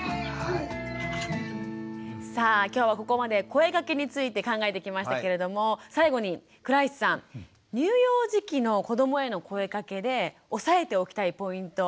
さあきょうはここまで声かけについて考えてきましたけれども最後に倉石さん乳幼児期の子どもへの声かけで押さえておきたいポイント